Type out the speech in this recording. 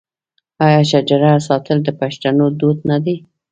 آیا شجره ساتل د پښتنو دود نه دی؟